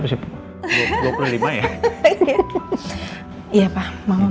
iya pak mama mau